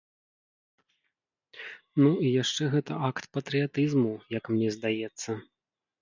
Ну, і яшчэ гэта акт патрыятызму, як мне здаецца.